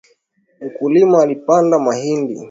Mkulima alipanda mahindi.